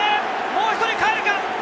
もう１人かえるか？